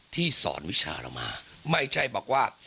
ที่สอนวิชาเรามาไม่ใช่บอกว่า